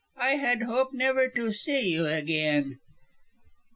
"I had hoped never to see you again."